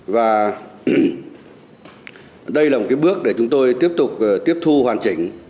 và đây là một bước để chúng tôi tiếp tục tiếp thu hoàn chỉnh